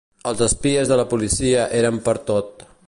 Els espies de la policia eren pertot